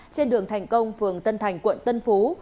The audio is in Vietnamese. trên đường thành công phường tân thành quận tân phú